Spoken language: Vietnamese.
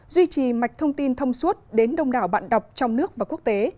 duy trì mạch thông tin thông suốt đến đông đảo bạn đọc trong nước và quốc tế